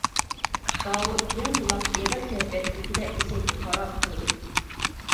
داۋۇت دىڭ قۇلاق ئېغىر كەيپىيات ئىلكىدە ئېشەككە قاراپ تۇردى.